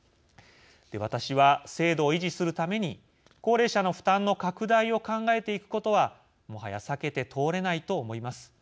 私は制度を維持するために高齢者の負担の拡大を考えていくことはもはや避けて通れないと思います。